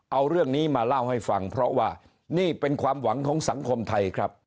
เอาเรื่องนี้มาเล่าให้ฟังเพราะว่านี่เป็นความหวังของสังคมไทยครับ